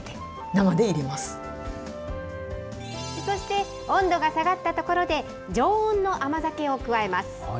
そして温度が下がったところで常温の甘酒を加えます。